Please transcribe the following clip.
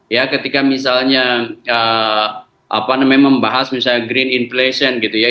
ya ketika misalnya membahas misalnya green inflation gitu ya